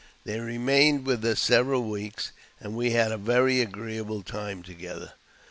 They remained with us several weeks, and we had a very agreeable time together.